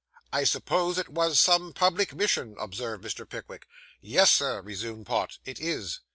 I supposed it was some public mission,' observed Mr. Pickwick. 'Yes, Sir,' resumed Pott, 'it is.